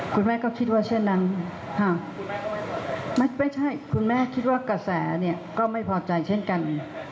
คุณแม่ก็คิดว่าเช่นนั้นไม่ใช่คุณแม่คิดว่ากระแสเนี่ยก็ไม่พอใจเช่นกัน